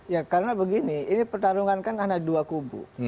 ya karena begini ini pertarungan kan ada dua kubu